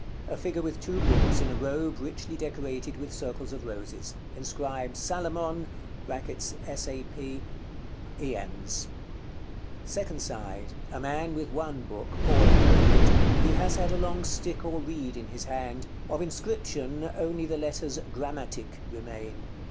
_ A figure with two books, in a robe richly decorated with circles of roses. Inscribed "SALOMON (SAP)IENS." Second side. A man with one book, poring over it: he has had a long stick or reed in his hand. Of inscription only the letters "GRAMMATIC" remain.